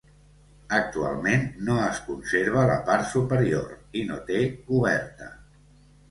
Actualment no es conserva la part superior i no té coberta.